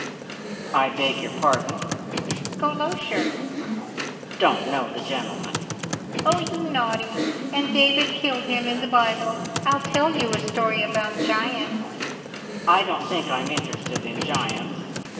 "I beg your pardon?" "Golosher!" "Don't know the gentleman." "Oh, you naughty! And David killed him in the Bible. I'll tell you a story about giants." "I don't think I am interested in giants."